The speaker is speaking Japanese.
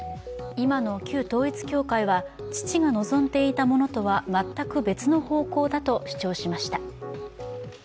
今の旧統一教会は父が望んでいたものとは全く別の方向だと主張しました。